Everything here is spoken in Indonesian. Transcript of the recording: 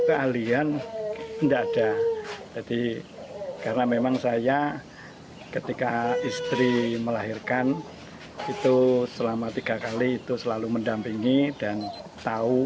karena memang saya ketika istri melahirkan itu selama tiga kali itu selalu mendampingi dan tahu